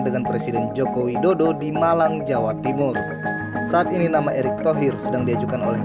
dengan presiden joko widodo di malang jawa timur saat ini nama erick thohir sedang diajukan oleh